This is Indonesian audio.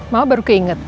mau baru keinget